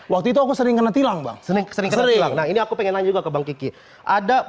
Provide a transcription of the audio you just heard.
waktu itu aku sering kena tilang loh sering sering ini aku pening juga ke bank iki ada